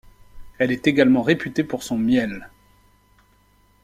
Elle est également réputée pour son miel.